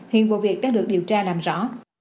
hiện vụ việc đã được điều tra làm rõ